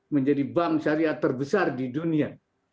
menjadi bank syariah terbesar di dunia